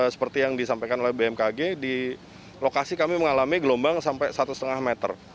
seperti yang disampaikan oleh bmkg di lokasi kami mengalami gelombang sampai satu lima meter